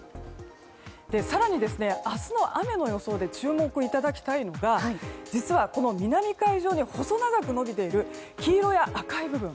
更に、明日の雨の予想で注目いただきたいのが実は、南海上に細長く延びている黄色や赤い部分。